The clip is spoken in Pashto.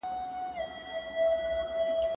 که مرسته وغواړي نو مهاراجا به یې وکړي.